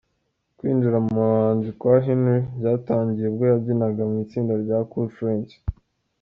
Kwinjira mu buhanzi kwa Henry byatangiye ubwo yabyinaga mu itsinda rya ‘Cool Friends’.